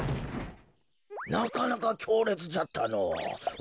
なかなかきょうれつじゃったのお。